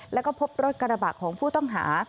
แล้วก็พบรถกระบะของผู้ต้องหา